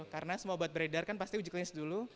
karena semua obat beredar kan pasti uji klinis dulu